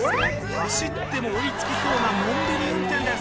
走っても追いつきそうなのんびり運転です